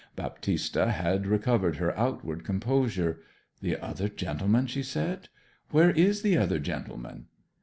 Baptista had recovered her outward composure. 'The other gentleman?' she said. 'Where is the other gentleman?'